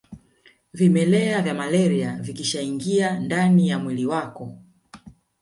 Vimelea vya malaria vikishaingia ndani ya mwili wako